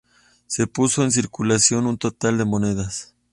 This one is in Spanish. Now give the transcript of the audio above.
Se puso en circulación un total de monedas.